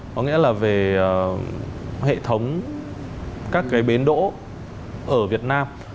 có nghĩa là về hệ thống các cái bến đỗ ở việt nam